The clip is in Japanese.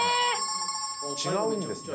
違うんですね。